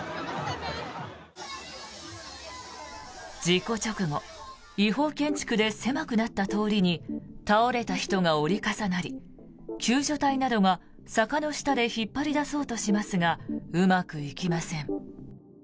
事故直後違法建築で狭くなった通りに倒れた人が折り重なり救助隊などが坂の下で引っ張り出そうとしますがうまくいきません。